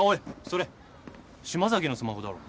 それ島崎のスマホだろ。